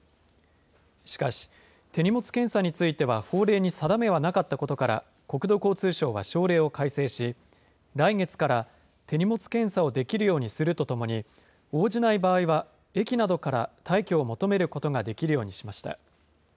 しかし、手荷物検査については法令に定めはなかったことから、国土交通省は省令を改正し、来月から手荷物検査をできるようにするとともに、応じない場合は駅などから退去を求めることができるようにしました。